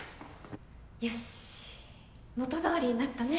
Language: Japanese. よし元どおりになったね。